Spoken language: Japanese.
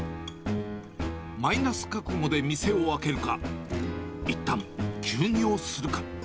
マイナス覚悟で店を開けるか、いったん、休業するか。